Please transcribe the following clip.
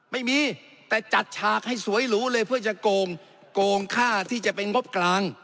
ไม่มีแต่จัดฉากให้สวยหรูเลยเพื่อจะโกงโกงค่าที่จะเป็นงบกลาง